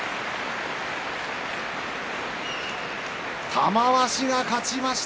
玉鷲が勝ちました。